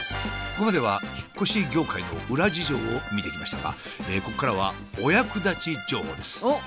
ここまでは引っ越し業界の裏事情を見てきましたがここからはお役立ち情報です。